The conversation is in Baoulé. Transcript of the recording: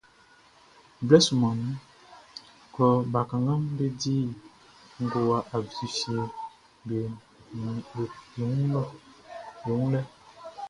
Blɛ sunman nunʼn, klɔ bakannganʼm be di ngowa awie fieʼm be wun lɛ.